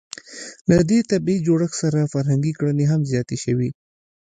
له دې طبیعي جوړښت سره فرهنګي کړنې هم زیاتې شوې.